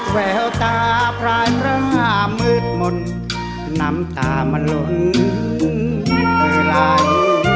แววตาพรายพระมืดมนต์น้ำตามันหลุนเตอร์ไหล